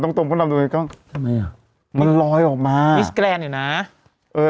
ตรงตรงทำตรงทำไมอ่ะมันลอยออกมามิสแกแลนด์อยู่น่ะเออ